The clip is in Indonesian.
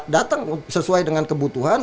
datang sesuai dengan kebutuhan